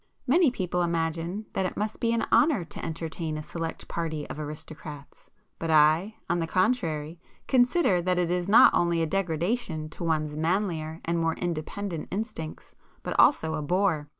Many people imagine that it must be an 'honour' to entertain a select party of aristocrats, but I, on the contrary, consider that it is not only a degradation to one's manlier and more independent instincts, but also a bore.